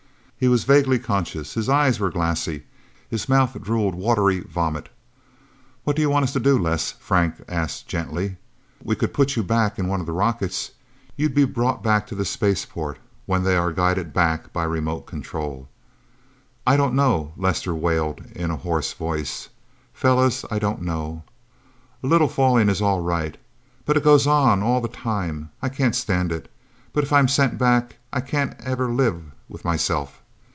He was vaguely conscious, his eyes were glassy, his mouth drooled watery vomit. "What do you want us to do, Les?" Frank asked gently. "We could put you back in one of the rockets. You'd be brought back to the spaceport, when they are guided back by remote control." "I don't know!" Lester wailed in a hoarse voice. "Fellas I don't know! A little falling is all right... But it goes on all the time. I can't stand it! But if I'm sent back I can't ever live with myself!..."